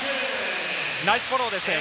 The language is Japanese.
ナイスフォローでした。